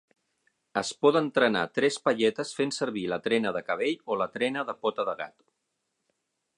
Es poden trenar tres palletes fent servir la trena de cabell o la trena de pota de gat.